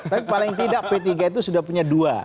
tapi paling tidak p tiga itu sudah punya dua